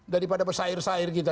daripada bersair sair kita